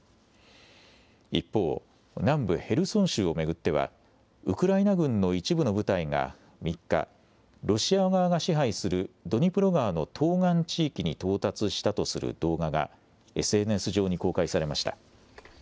一方、南部ヘルソン州を巡っては、ウクライナ軍の一部の部隊が３日、ロシア側が支配するドニプロ川の東岸地域に到達したとする動画が、ＳＮＳ上に公開されました。